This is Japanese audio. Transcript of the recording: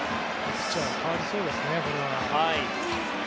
ピッチャーが代わりそうですね。